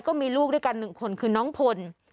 ก็มีลูกด้วยกัน๑คนคือน้องพล